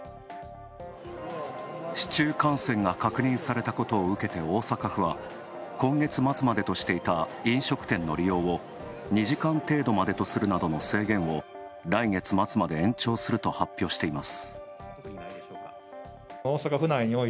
市中感染が確認されたことを受けて大阪府は今月末までとしていた飲食店の利用を、２時間程度までとするなどの制限を来月末まで延長すると発表しています。